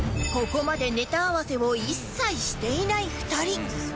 ここまでネタ合わせを一切していない２人